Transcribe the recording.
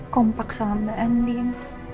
kompak sama mbak andin